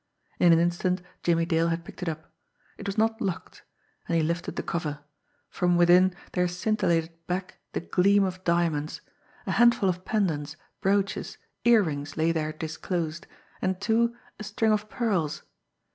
In an instant, Jimmie Dale had picked it up. It was not locked, and he lifted the cover. From within there scintillated back the gleam of diamonds a handful of pendants, brooches, ear rings lay there disclosed, and, too, a string of pearls.